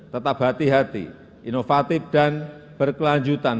tetap hati hati inovatif dan berkelanjutan